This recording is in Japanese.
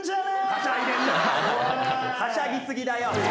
はしゃぎ過ぎだよ。